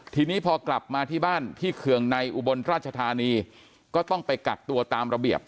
ทีนี้พอกลับมาที่บ้านที่เคืองในอุบลราชธานีก็ต้องไปกักตัวตามระเบียบ